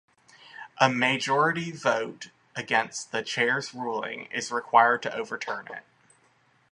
A majority vote against the chair's ruling is required to overturn it.